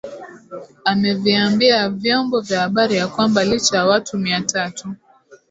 ameviambia vyombo vya habari ya kwamba licha ya watu mia tatu